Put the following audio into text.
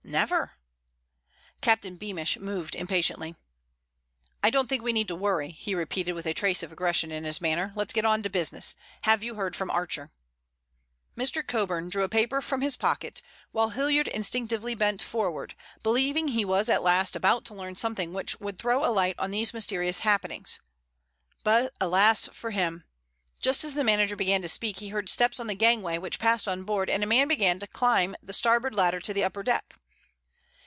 "Never." Captain Beamish moved impatiently. "I don't think we need worry," he repeated with a trace of aggression in his manner. "Let's get on to business. Have you heard from Archer?" Mr. Coburn drew a paper from his pocket, while Hilliard instinctively bent forward, believing he was at last about to learn something which would throw a light on these mysterious happenings. But alas for him! Just as the manager began to speak he heard steps on the gangway which passed on board and a man began to climb the starboard ladder to the upper deck.